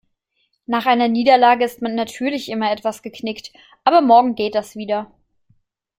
Nach einer Niederlage ist man natürlich immer etwas geknickt, aber morgen geht das wieder.